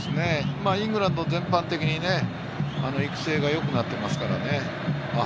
イングランド全般的に育成がよくなっていますからね。